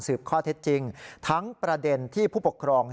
ข้อเท็จจริงทั้งประเด็นที่ผู้ปกครอง